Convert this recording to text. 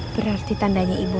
berarti tandanya ibu